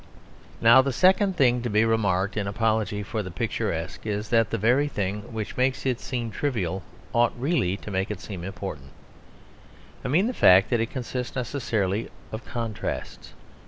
Now the second thing to be remarked in apology for the picturesque is, that the very thing which makes it seem trivial ought really to make it seem important; I mean the fact that it consists necessarily of contrasts.